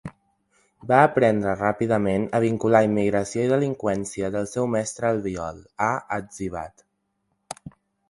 Va aprendre ràpidament a vincular immigració i delinqüència del seu mestre Albiol, ha etzibat.